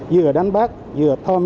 vừa đánh bắt vừa thơm